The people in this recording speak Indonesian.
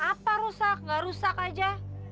apa rusak gak rusak aja